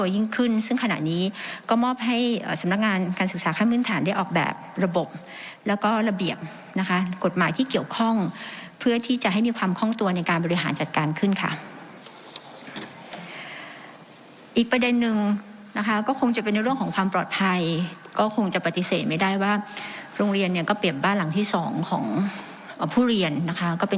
ยิ่งขึ้นซึ่งขณะนี้ก็มอบให้สำนักงานการศึกษาขั้นพื้นฐานได้ออกแบบระบบแล้วก็ระเบียบนะคะกฎหมายที่เกี่ยวข้องเพื่อที่จะให้มีความคล่องตัวในการบริหารจัดการขึ้นค่ะอีกประเด็นนึงนะคะก็คงจะเป็นในเรื่องของความปลอดภัยก็คงจะปฏิเสธไม่ได้ว่าโรงเรียนเนี่ยก็เปลี่ยนบ้านหลังที่สองของผู้เรียนนะคะก็เป็น